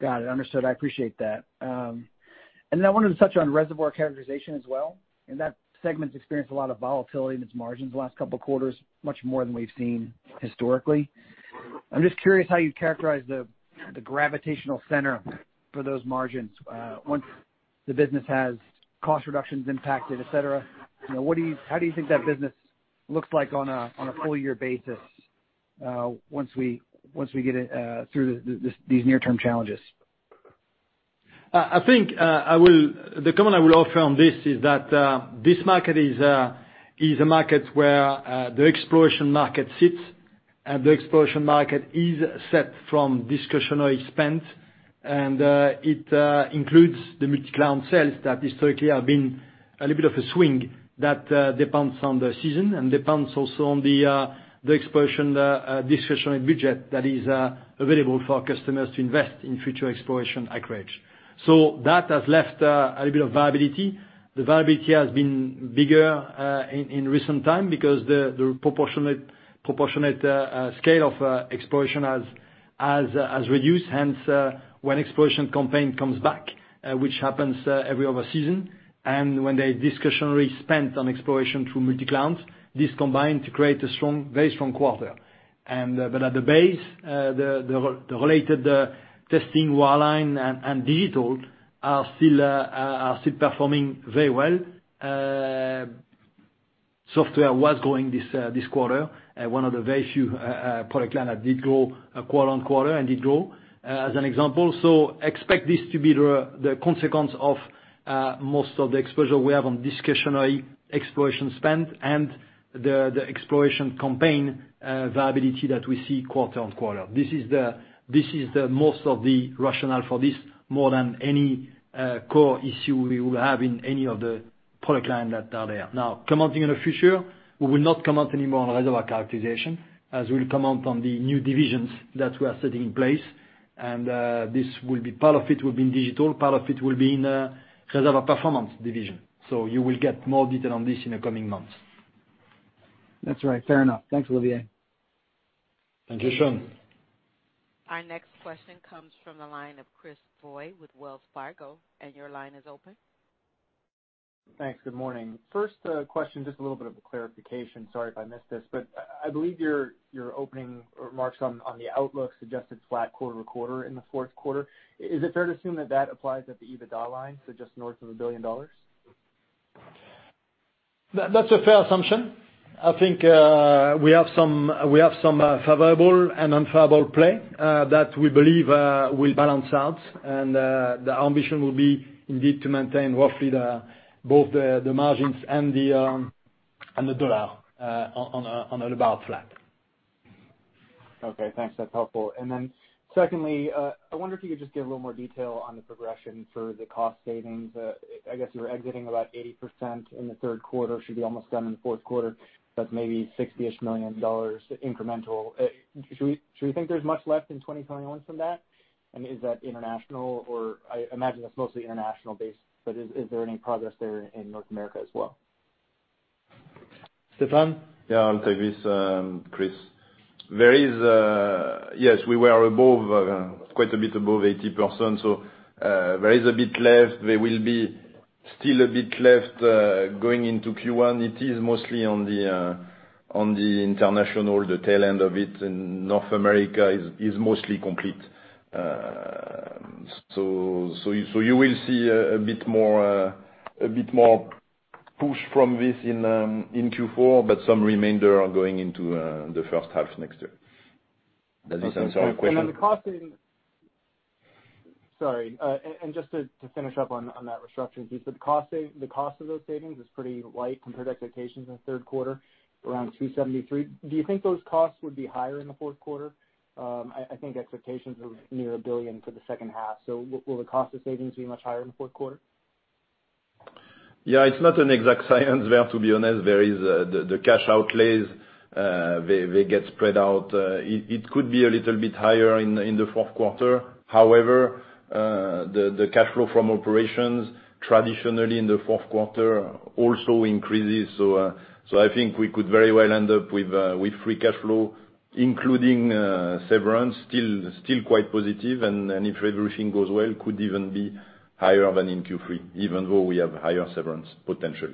Got it. Understood. I appreciate that. I wanted to touch on reservoir characterization as well. That segment's experienced a lot of volatility in its margins the last couple of quarters, much more than we've seen historically. I'm just curious how you'd characterize the gravitational center for those margins once the business has cost reductions impacted, et cetera. How do you think that business looks like on a full year basis once we get it through these near-term challenges? The comment I will offer on this is that this market is a market where the exploration market sits. The exploration market is set from discretionary spend. It includes the multi-client sales that historically have been a little bit of a swing that depends on the season and depends also on the exploration discretionary budget that is available for customers to invest in future exploration acreage. That has left a little bit of volatility. The volatility has been bigger in recent times because the proportionate scale of exploration has reduced, hence when exploration campaign comes back, which happens every other season, and when the discretionary spend on exploration through multi-client, this combined to create a very strong quarter. At the base, the related testing, wireline and digital are still performing very well. Software was growing this quarter, one of the very few product line that did grow quarter on quarter, and did grow, as an example. Expect this to be the consequence of most of the exposure we have on discretionary exploration spend and the exploration campaign volatiliy that we see quarter on quarter. This is the most of the rationale for this more than any core issue we will have in any of the product line that are there. Now, commenting in the future, we will not comment anymore on Reservoir Characterization as we'll comment on the new divisions that we are setting in place. Part of it will be in Digital, part of it will be in Reservoir Performance division. You will get more detail on this in the coming months. That's right. Fair enough. Thanks, Olivier. Thank you, Sean. Our next question comes from the line of Chris Voie with Wells Fargo, and your line is open. Thanks. Good morning. First question, just a little bit of a clarification. Sorry if I missed this, but I believe your opening remarks on the outlook suggested flat quarter-over-quarter in the fourth quarter. Is it fair to assume that that applies at the EBITDA line, so just north of $1 billion? That's a fair assumption. I think we have some favorable and unfavorable play that we believe will balance out and the ambition will be indeed to maintain roughly both the margins and the U.S. dollar on about flat. Okay, thanks. That's helpful. Secondly, I wonder if you could just give a little more detail on the progression for the cost savings. I guess you were exiting about 80% in the third quarter, should be almost done in the fourth quarter, that's maybe $60-ish million incremental. Should we think there's much left in 2021 from that? Is that international or I imagine that's mostly international based, but is there any progress there in North America as well? Stéphane? Yeah, I'll take this, Chris. Yes, we were quite a bit above 80%, so there is a bit left. There will be still a bit left going into Q1. It is mostly on the international, the tail end of it, and North America is mostly complete. You will see a bit more push from this in Q4, but some remainder are going into the first half next year. Does this answer your question? Just to finish up on that restructuring piece, the cost of those savings is pretty light compared to expectations in the third quarter, around $273. Do you think those costs would be higher in the fourth quarter? I think expectations are near $1 billion for the second half. Will the cost of savings be much higher in the fourth quarter? Yeah, it's not an exact science there, to be honest. The cash outlays, they get spread out. It could be a little bit higher in the fourth quarter. However, the cash flow from operations traditionally in the fourth quarter also increases. I think we could very well end up with free cash flow, including severance, still quite positive and if everything goes well, could even be higher than in Q3, even though we have higher severance potential.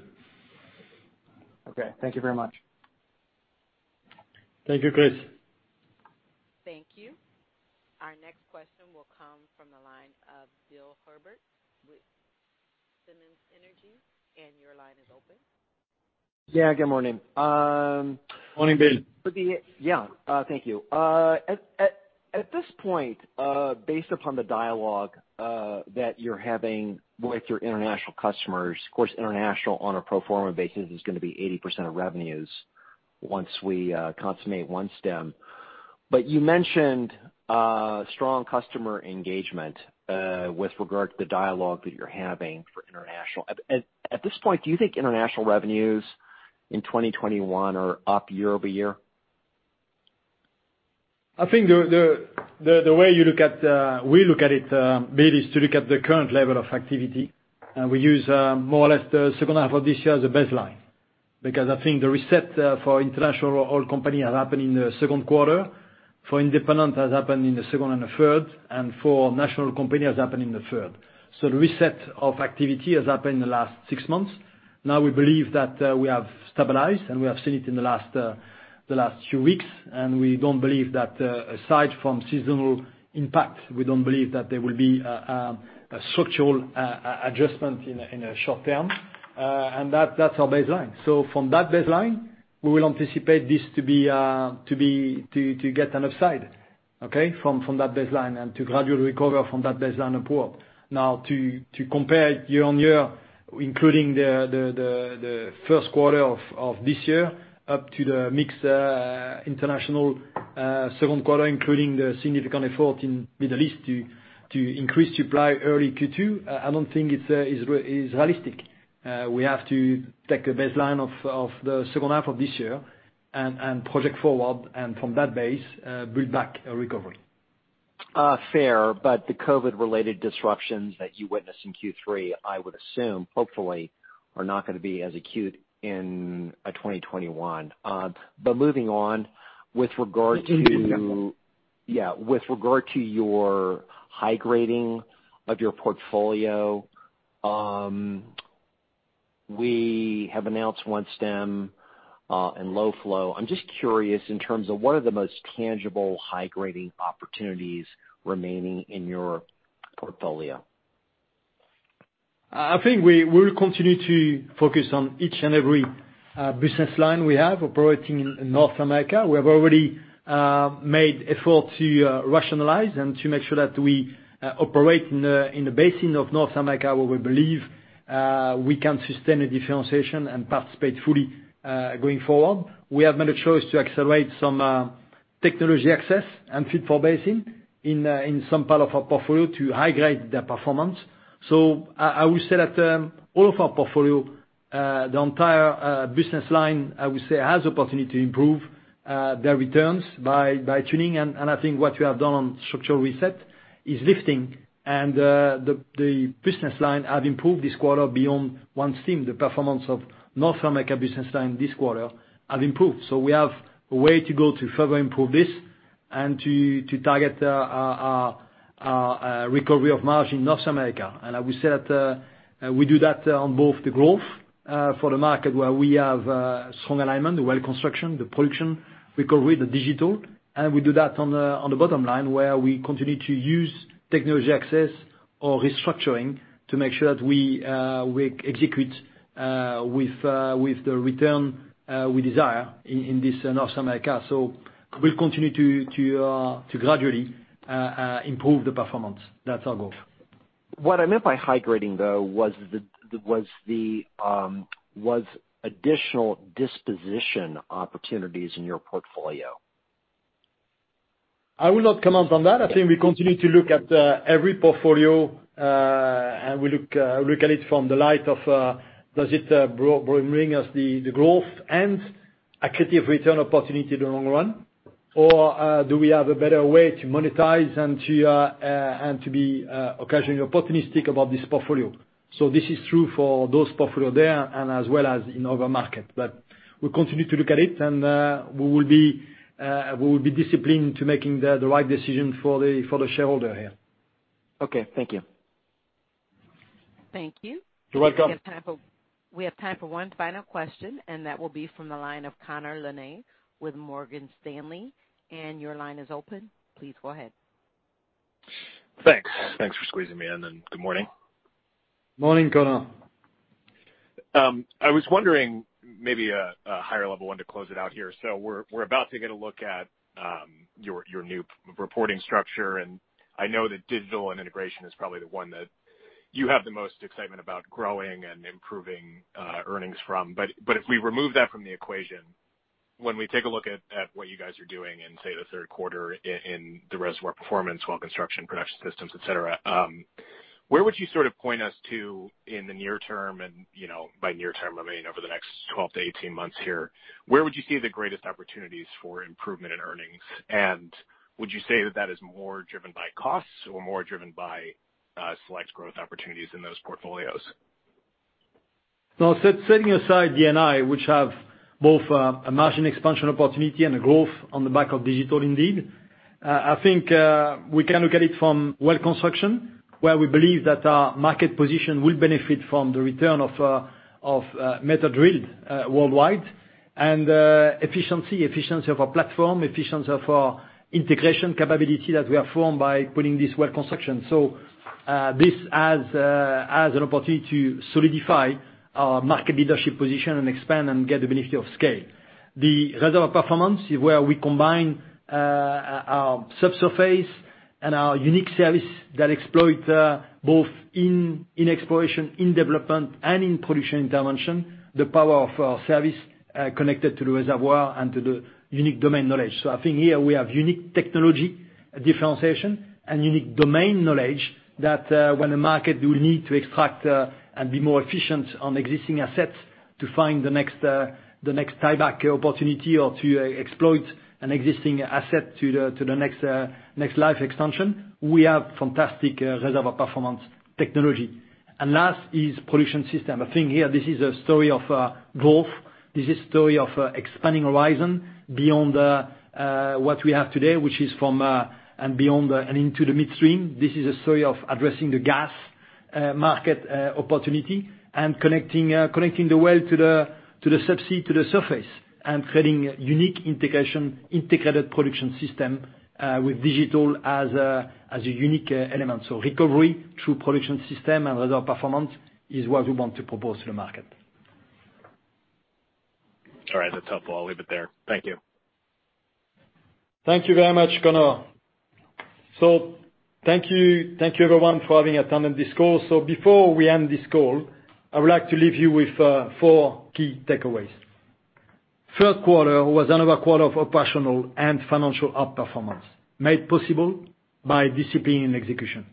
Okay. Thank you very much. Thank you, Chris. Thank you. Our next question will come from the line of Bill Herbert with Simmons Energy, and your line is open. Yeah. Good morning. Morning, Bill. Thank you. At this point, based upon the dialogue that you're having with your international customers, of course, international on a pro forma basis is going to be 80% of revenues once we consummate OneStim. You mentioned strong customer engagement with regard to the dialogue that you're having for international. At this point, do you think international revenues in 2021 are up year-over-year? I think the way we look at it, Bill, is to look at the current level of activity. We use more or less the second half of this year as a baseline, because I think the reset for international oil company has happened in the second quarter. For independent, has happened in the second and the third. For national company, has happened in the third. The reset of activity has happened in the last six months. Now we believe that we have stabilized, and we have seen it in the last few weeks, and we don't believe that aside from seasonal impact, we don't believe that there will be a structural adjustment in the short term. That's our baseline. From that baseline, we will anticipate this to get an upside, okay? From that baseline, and to gradually recover from that baseline upward. To compare year-over-year, including the first quarter of this year up to the mixed international second quarter, including the significant effort in Middle East to increase supply early Q2, I don't think it's realistic. We have to take a baseline of the second half of this year and project forward, and from that base, build back a recovery. Fair. The COVID-related disruptions that you witnessed in Q3, I would assume, hopefully, are not going to be as acute in 2021. Moving on, with regard to your high grading of your portfolio, we have announced OneStim, and low flow. I'm just curious in terms of what are the most tangible high-grading opportunities remaining in your portfolio? I think we will continue to focus on each and every business line we have operating in North America. We have already made effort to rationalize and to make sure that we operate in the basin of North America, where we believe we can sustain a differentiation and participate fully, going forward. We have made a choice to accelerate some technology access and fit-for-basin in some part of our portfolio to high-grade the performance. I would say that all of our portfolio, the entire business line, I would say, has opportunity to improve their returns by tuning. I think what we have done on structural reset is lifting. The business line have improved this quarter beyond OneStim. The performance of North America business line this quarter have improved. We have a way to go to further improve this and to target our recovery of margin in North America. I would say that we do that on both the growth for the market where we have strong alignment, the well construction, the production recovery, the digital. We do that on the bottom line, where we continue to use technology access or restructuring to make sure that we execute with the return we desire in this North America. We'll continue to gradually improve the performance. That's our goal. What I meant by high grading, though, was additional disposition opportunities in your portfolio. I will not comment on that. I think we continue to look at every portfolio, and we look at it from the light of, does it bring us the growth and accretive return opportunity in the long run? Do we have a better way to monetize and to be occasionally opportunistic about this portfolio? This is true for those portfolio there and as well as in other market. We'll continue to look at it, and we will be disciplined to making the right decision for the shareholder here. Okay. Thank you. Thank you. You're welcome. We have time for one final question, and that will be from the line of Connor Lynagh with Morgan Stanley. Your line is open. Please go ahead. Thanks for squeezing me in, and good morning. Morning, Connor. I was wondering, maybe a higher level one to close it out here. We're about to get a look at your new reporting structure, and I know that Digital & Integration is probably the one that you have the most excitement about growing and improving earnings from. If we remove that from the equation, when we take a look at what you guys are doing in, say, the third quarter in the Reservoir Performance, Well Construction, Production Systems, et cetera, where would you sort of point us to in the near term? By near term, I mean over the next 12 to 18 months here. Where would you see the greatest opportunities for improvement in earnings? Would you say that that is more driven by costs or more driven by select growth opportunities in those portfolios? No. Setting aside D&I, which have both a margin expansion opportunity and a growth on the back of digital, indeed. I think we can look at it from well construction, where we believe that our market position will benefit from the return of meter drilled worldwide, efficiency of our platform, efficiency of our integration capability that we have formed by putting this well construction. This has an opportunity to solidify our market leadership position and expand and get the benefit of scale. The reservoir performance is where we combine our subsurface and our unique service that exploit both in exploration, in development, and in production intervention, the power of our service connected to the reservoir and to the unique domain knowledge. I think here we have unique technology differentiation and unique domain knowledge that when the market will need to extract and be more efficient on existing assets to find the next tieback opportunity or to exploit an existing asset to the next life extension, we have fantastic reservoir performance technology. Last is production system. I think here, this is a story of growth. This is a story of expanding horizon beyond what we have today, which is from and beyond and into the midstream. This is a story of addressing the gas market opportunity and connecting the well to the subsea to the surface and creating unique integrated production system with digital as a unique element. Recovery through production system and reservoir performance is what we want to propose to the market. All right. That's helpful. I'll leave it there. Thank you. Thank you very much, Connor. Thank you everyone for having attended this call. Before we end this call, I would like to leave you with four key takeaways. Third quarter was another quarter of operational and financial outperformance, made possible by discipline and execution.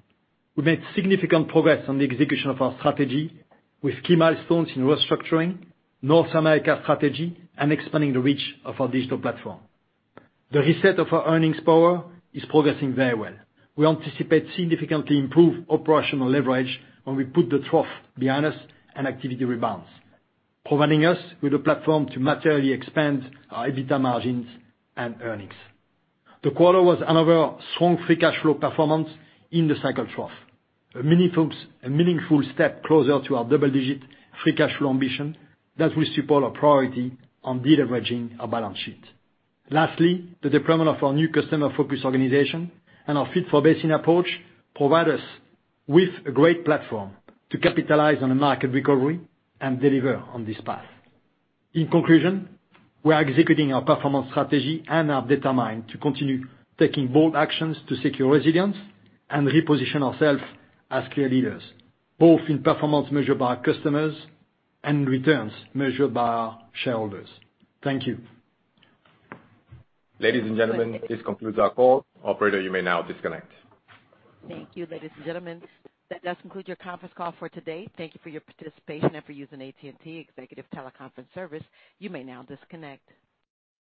We made significant progress on the execution of our strategy with key milestones in restructuring North America strategy and expanding the reach of our digital platform. The reset of our earnings power is progressing very well. We anticipate significantly improved operational leverage when we put the trough behind us and activity rebounds, providing us with a platform to materially expand our EBITDA margins and earnings. The quarter was another strong free cash flow performance in the cycle trough, a meaningful step closer to our double-digit free cash flow ambition that will support our priority on deleveraging our balance sheet. Lastly, the deployment of our new customer-focused organization and our fit-for-basin approach provide us with a great platform to capitalize on a market recovery and deliver on this path. In conclusion, we are executing our performance strategy and are determined to continue taking bold actions to secure resilience and reposition ourselves as clear leaders, both in performance measured by our customers and returns measured by our shareholders. Thank you. Ladies and gentlemen, this concludes our call. Operator, you may now disconnect. Thank you, ladies and gentlemen. That does conclude your conference call for today. Thank you for your participation and for using AT&T Executive Teleconference Service. You may now disconnect.